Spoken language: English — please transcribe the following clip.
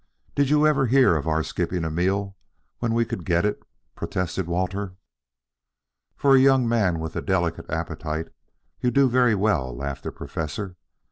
Did you ever hear of our skipping a meal when we could get it?" protested Walter. "For a young man with a delicate appetite, you do very well," laughed the Professor.